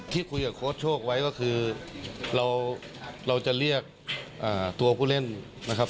ที่คุยกับโค้ชโชคไว้ก็คือเราจะเรียกตัวผู้เล่นนะครับ